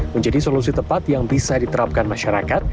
menjadi solusi tepat yang bisa diterapkan masyarakat